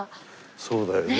そうだよね。